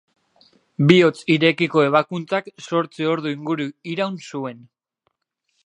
Bihotz irekiko ebakuntzak zortzi ordu inguru iraun zuen.